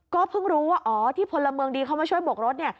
ก็เพิ่งรู้ว่าอ๋อที่พลเมืองดีเข้ามาช่วยบกรถ